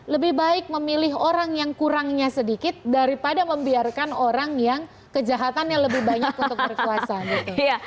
lebih baik memilih orang yang kurangnya sedikit daripada membiarkan orang yang kejahatannya lebih banyak untuk berkuasa gitu